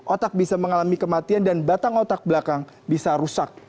otak bisa mengalami kematian dan batang otak belakang bisa rusak